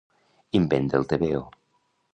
Invent del tebeo.